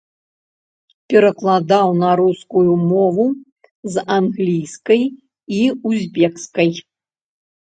Перакладаў на рускую мову з англійскай і узбекскай.